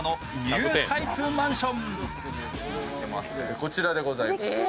こちらでございます。